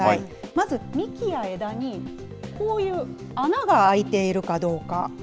まず幹や枝にこういう穴が開いているかどうか。